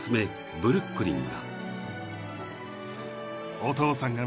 ブルックリンが］